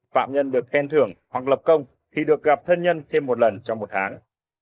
phạm nhân được khen thưởng hoặc lập công thì được gặp thân nhân thêm một lần trong một tháng